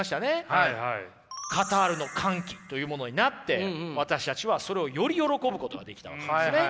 「カタールの歓喜」というものになって私たちはそれをより喜ぶことができたわけですね。